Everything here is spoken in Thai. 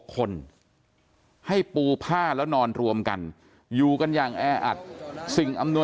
คนให้ปูผ้าแล้วนอนรวมกันอยู่กันอย่างแออัดสิ่งอำนวย